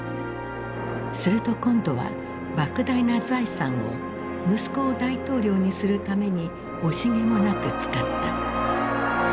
すると今度はばく大な財産を息子を大統領にするために惜しげもなく使った。